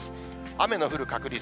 雨の降る確率。